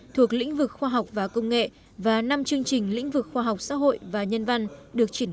thuộc lĩnh vực khoa học và công nghệ và năm chương trình lĩnh vực khoa học xã hội và nhân văn được triển khai